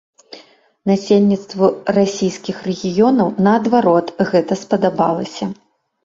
Насельніцтву расійскіх рэгіёнаў, наадварот, гэта спадабалася.